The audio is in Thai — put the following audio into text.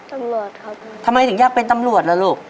ตำรวจครับทำไมถึงอยากเป็นตำรวจล่ะลูก